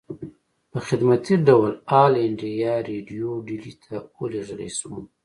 پۀ خدمتي ډول آل انډيا ريډيو ډيلي ته اوليږلی شو